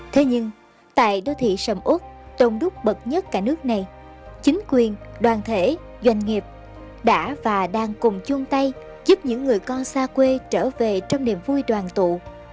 thế nhưng tại đô thị sầm út đông đúc bật nhất cả nước này chính quyền đoàn thể doanh nghiệp đã và đang cùng chung tay giúp những người con xa quê trở về trong niềm vui đoàn tụ